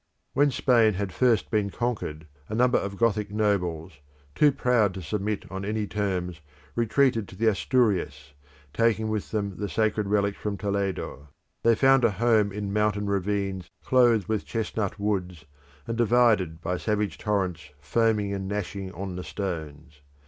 When Spain had first been conquered, a number of Gothic nobles, too proud to submit on any terms, retreated to the Asturias, taking with them the sacred relics from Toledo. They found a home in mountain ravines clothed with chestnut woods, and divided by savage torrents foaming and gnashing on the stones.